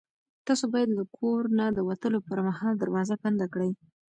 تاسو باید له کور نه د وتلو پر مهال دروازه بنده کړئ.